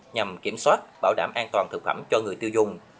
nhằm kiểm soát bảo đảm an toàn thực phẩm cho người tiêu dùng